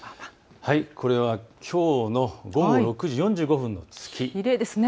これはきょうの午後６時４５分の月です。